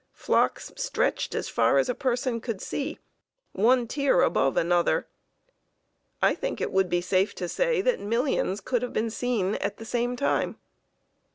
Flocks stretched as far as a person could see, one tier above another. I think it would be safe to say that millions could have been seen at the same time.